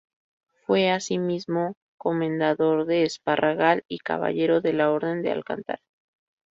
Fue asimismo comendador de Esparragal y caballero de la Orden de Alcántara.